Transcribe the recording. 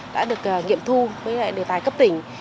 đã được nghiệm thu với đề tài cấp tỉnh